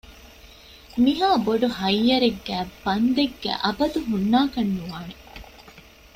މިހާ ބޮޑު ހައްޔަރެއްގައި ބަންދެއްގައި އަބަދު ހުންނާކަށް ނުވާނެ